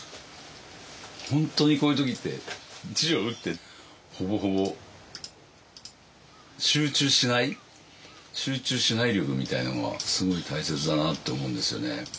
本当にこういう時って字を打ってほぼほぼ集中しない力みたいなのはすごい大切だなって思うんですよね。